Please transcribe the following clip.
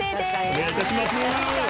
お願いいたします。